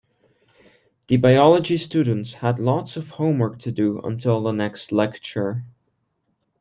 The biology students had lots of homework to do until the next lecture.